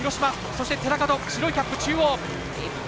そして、寺門白いキャップ中央。